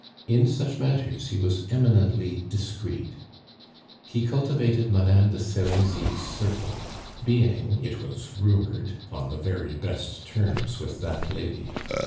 In such matters he was eminently discreet. He cultivated Madame de Serizy's circle, being, it was rumored, on the very best terms with that lady.